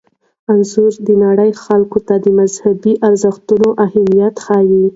انځور د نړۍ خلکو ته د مذهبي ارزښتونو اهمیت ښيي.